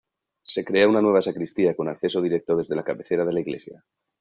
Se crea una nueva sacristía con acceso directo desde la cabecera de la iglesia.